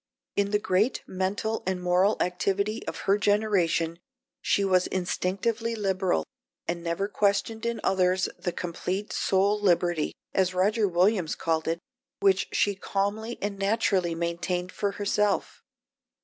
In the great mental and moral activity of her generation she was instinctively liberal, and never questioned in others the complete soul liberty, as Roger Williams called it, which she calmly and naturally maintained for herself.